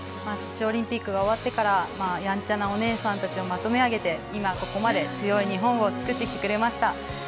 ソチオリンピックが終わってからやんちゃなお姉さんたちをまとめ上げて、今ここまで強い日本を作ってきてくれました。